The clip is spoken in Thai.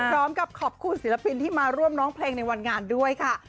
พร้อมกับขอบคุณศิลปินที่มาร่วมร้องเพลงในวันงานด้วยค่ะ